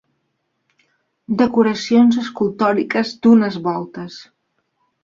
Decoracions escultòriques d'unes voltes.